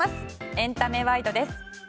エンタメワイドです。